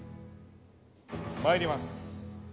まいります。